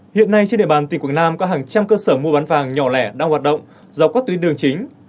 hiện nay trên địa bàn tỉnh quảng nam có hàng trăm cơ sở mua bán vàng nhỏ lẻ đang hoạt động dọc các tuyến đường chính